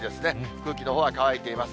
空気のほうは乾いています。